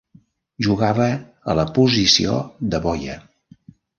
Jugava a la posició de boia.